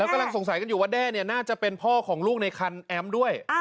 กำลังสงสัยกันอยู่ว่าแด้น่าจะเป็นพ่อของลูกในคันแอมป์ด้วย